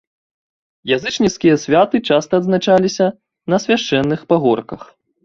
Язычніцкія святы часта адзначаліся на свяшчэнных пагорках.